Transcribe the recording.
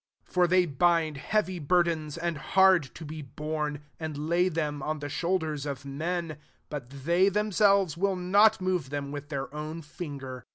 4 For they bind heavy burdens, [and hard to be borne,] and lay them on the i^oulders of men : but they themselves will not move them •with their own finger.